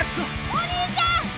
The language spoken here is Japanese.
お兄ちゃん。